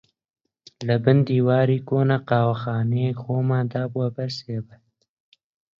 لەبن دیواری کۆنە قاوەخانەیەک خۆمان دابووە بەر سێبەر